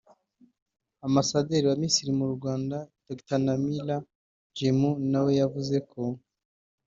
Ambasaderi wa Misiri mu Rwanda Dr Namira Negm na we yavuze ko